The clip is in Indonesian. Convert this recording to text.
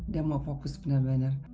dia mau fokus bener bener